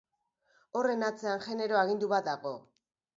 Horren atzean genero agindu bat dago.